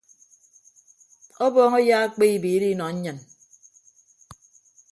Ọbọñ eyekpe ebiere ọnọ nnyịn.